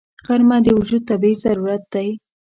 غرمه د وجود طبیعي ضرورت دی